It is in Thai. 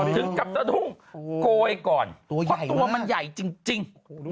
ถึงกับสะดุ้งโกยก่อนเพราะตัวมันใหญ่จริง